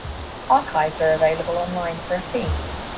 Archives are available online for a fee.